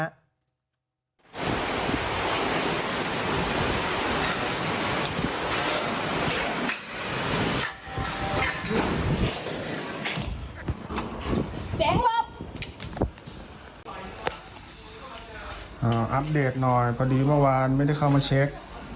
อัปเดตหน่อยพอดีเมื่อวานไม่ได้เข้ามาเช็ค